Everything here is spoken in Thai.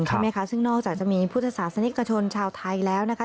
ใช่ไหมคะซึ่งนอกจากจะมีพุทธศาสนิกชนชาวไทยแล้วนะคะ